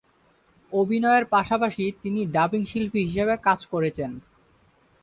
অভিনয়ের পাশাপাশি তিনি ডাবিং শিল্পী হিসেবে কাজ করেছেন।